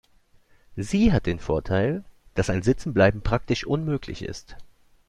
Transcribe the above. Sie hat den Vorteil, dass ein Sitzenbleiben praktisch unmöglich ist.